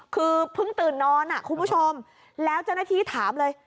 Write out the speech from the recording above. คือเพิ่งตื่นนอนคุณผู้ชมแล้วเจ้าหน้าที่ถามเลย